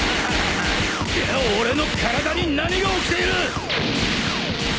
俺の体に何が起きている！